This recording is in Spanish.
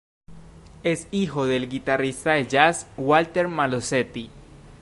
Es hijo del guitarrista de jazz Walter Malosetti.